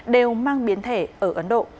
đều mang biến thể ở ấn độ